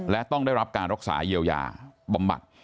และต้องได้รับการรักษาเยียวยาบำบัด